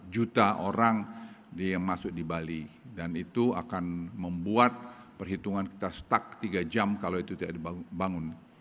dua puluh juta orang masuk di bali dan itu akan membuat perhitungan kita stuck tiga jam kalau itu tidak dibangun